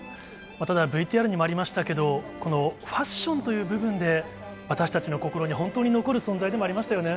ただＶＴＲにもありましたけど、このファッションという部分で、私たちの心に本当に残る存在でもありましたよね。